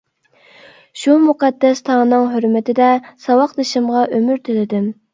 شۇ مۇقەددەس تاڭنىڭ ھۆرمىتىدە ساۋاقدىشىمغا ئۆمۈر تىلىدىم.